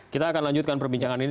kita akan lanjutkan perbincangan ini